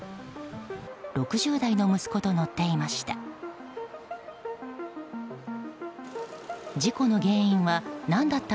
６０代の息子と乗っていました。